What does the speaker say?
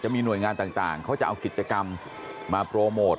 มีหน่วยงานต่างเขาจะเอากิจกรรมมาโปรโมท